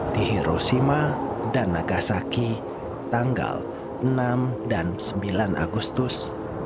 di hiroshima dan nagasaki tanggal enam dan sembilan agustus seribu sembilan ratus empat puluh lima